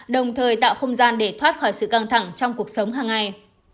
đồng thời tạo không gian để thoát khỏi sự căng thẳng trong cuộc sống hàng ngày